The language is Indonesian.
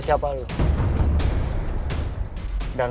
lepas su diam